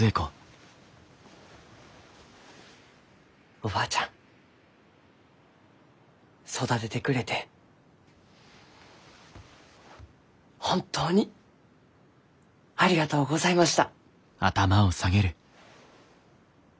おばあちゃん育ててくれて本当にありがとうございました。